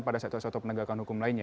pada sektor sektor penegakan hukum lainnya